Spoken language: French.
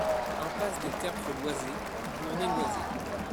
Impasse des Tertres Loizé, Gournay-Loizé